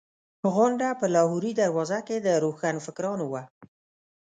غونډه په لاهوري دروازه کې د روشنفکرانو وه.